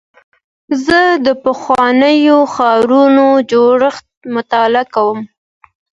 زه د پخوانیو ښارونو جوړښت مطالعه کوم.